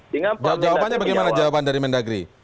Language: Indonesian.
jawabannya bagaimana jawaban dari mendagri